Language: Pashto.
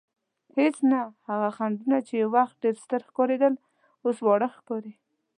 هېڅ نه، هغه خنډونه چې یو وخت ډېر ستر ښکارېدل اوس واړه ښکاري.